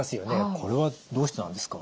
これはどうしてなんですか？